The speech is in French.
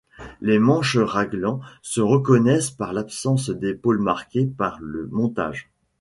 Les manches raglan se reconnaissent par l’absence d’épaules marquées par le montage.